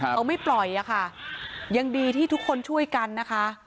เขาไม่ปล่อยอะค่ะยังดีที่ทุกคนช่วยกันนะคะ